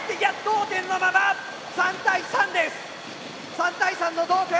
３対３の同点！